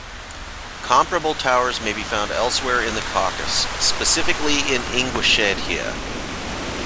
Comparable towers may be found elsewhere in the Caucasus, specifically in Ingushetia.